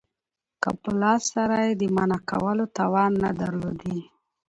که په لاس سره ئې د منعه کولو توان نه درلودي